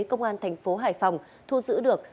công an thành phố hải phòng thu giữ được